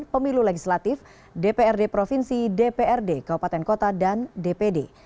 pemilu legislatif dprd provinsi dprd kabupaten kota dan dpd